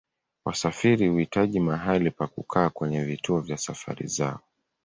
Wasafiri huhitaji mahali pa kukaa kwenye vituo vya safari zao.